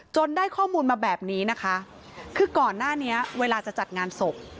ได้ข้อมูลมาแบบนี้นะคะคือก่อนหน้านี้เวลาจะจัดงานศพ